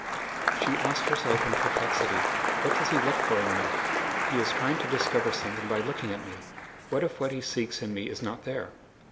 She asked herself in perplexity: "What does he look for in me? He is trying to discover something by looking at me! What if what he seeks in me is not there?"